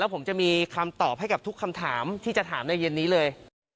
ผมจะมีคำตอบให้กับทุกคำถามที่จะถามในเย็นนี้เลย